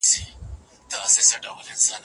ډېر تمرین ته اړتیا لري.